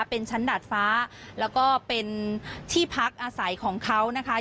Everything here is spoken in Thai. เป็นชั้นดาดฟ้าแล้วก็เป็นที่พักอาศัยของเขานะคะ